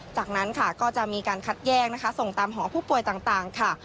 จากนั้นค่ะก็จะมีการคัดแยกนะคะส่งตามหอผู้ป่วยต่างค่ะ